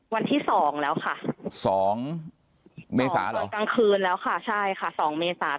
วันที่๒แล้วค่ะ๒เมษาตอนกลางคืน